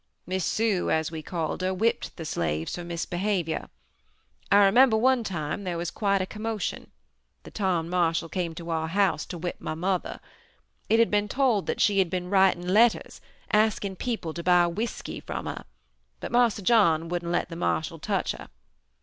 Miss Sue, as we called her, whipped the slaves for misbehavior. I remember one time there was quite a commotion. The town marshal came to our house to whip my mother. It had been told that she had been writing letters, asking people to buy whiskey from her, but Marse John wouldn't let the marshal touch her.